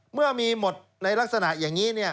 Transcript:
เมื่อมีหมดในลักษณะอย่างนี้